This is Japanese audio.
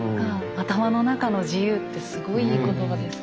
「頭の中の自由」ってすごいいい言葉ですね。